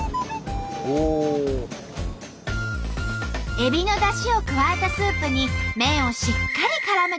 エビの出汁を加えたスープに麺をしっかりからめたら。